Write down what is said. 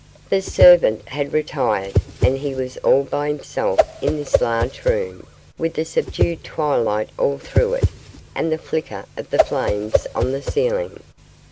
The servant had retired, and he was all by himself in this large room, with the subdued twilight all through it, and the flicker of the flames on the ceiling.